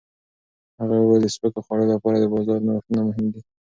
هغه وویل د سپکو خوړو لپاره د بازار نوښتونه مهم دي.